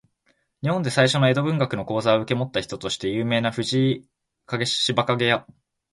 日本で最初の江戸文学の講座を受け持った人として有名な藤井紫影や、